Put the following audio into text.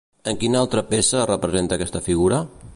En quina altra peça es representa aquesta figura?